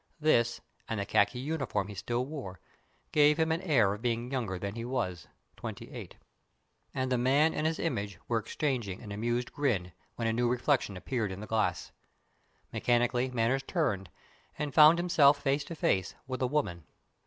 This, and the khaki uniform he still wore, gave him an air of being younger than he was twenty eight: and the man and his image were exchanging an amused grin when a new reflection appeared in the glass. Mechanically Manners turned, and found himself face to face with a woman.